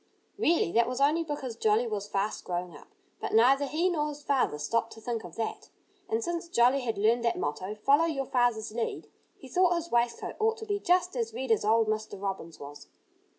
Really, that was only because Jolly was fast growing up. But neither he nor his father stopped to think of that. And since Jolly had learned that motto, "Follow your father's lead," he thought his waistcoat ought to be just as red as old Mr. Robin's was.